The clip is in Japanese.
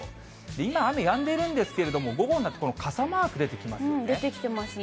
今、雨やんでいるんですけれども、午後になって、この傘マーク出て出てきてますね。